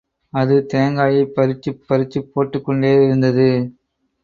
அது தேங்காயைப் பறிச்சுப் பறிச்சுப் போட்டுக்கிட்டேயிருந்தது.